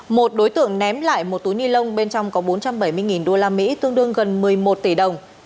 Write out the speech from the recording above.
một đối tượng ném lại một túi ni lông bên trong có bốn trăm bảy mươi usd tương đương gần một mươi một tỷ đồng